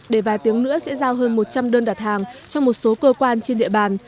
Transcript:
để vài tiếng nữa sẽ giao hơn một trăm linh đơn đặt hàng cho một số cơ quan trên địa bàn